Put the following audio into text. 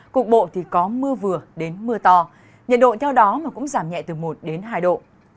cục bộ thì có mưa vừa đến mưa to nhiệt độ theo đó mà cũng giảm nhẹ từ một đến hai độ